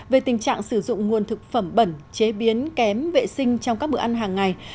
về tình trạng sử dụng nguồn thực phẩm bẩn chế biến kém vệ sinh trong các bữa ăn hàng ngày